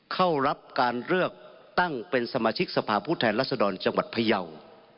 เข้ารับการเลือกตั้งเป็นสมาชิกสภาพผู้แทนรัศดรจังหวัดพยาว